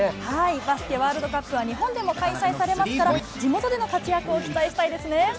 バスケワールドカップは、日本でも開催されますから、地元での活躍を期待したいですね。